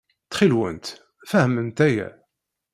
Ttxil-went, fehmemt aya.